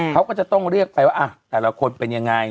เขาก็จะต้องเรียกไปว่าแต่ละคนเป็นยังไง